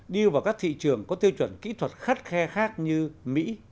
đi vào các thị trường có tiêu chuẩn kỹ thuật khắt khe khác như mỹ